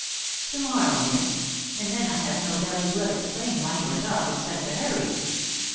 "To morrow, miss; and then I have no doubt he will explain why he went off in such a hurry."